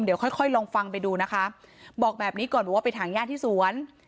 เดี๋ยวค่อยค่อยลองฟังไปดูนะคะบอกแบบนี้ก่อนว่าไปถังย่าที่สวน